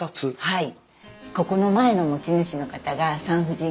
はい。